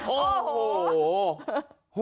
โอ้โห